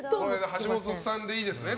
橋本さんでいいですね。